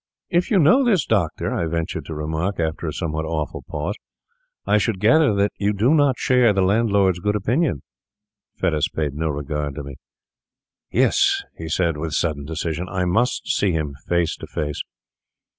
'If you know this doctor,' I ventured to remark, after a somewhat awful pause, 'I should gather that you do not share the landlord's good opinion.' Fettes paid no regard to me. 'Yes,' he said, with sudden decision, 'I must see him face to face.